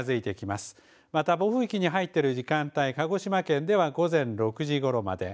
また、暴風域に入っている時間帯、鹿児島県では午前６時ごろまで。